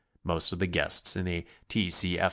Most of the guests in a T. C. F.